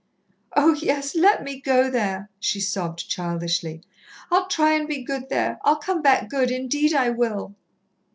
"Oh, yes, let me go there," she sobbed childishly. "I'll try and be good there. I'll come back good, indeed I will."